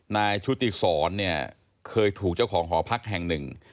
ชุติศรเนี่ยเคยถูกเจ้าของหอพักแห่งหนึ่ง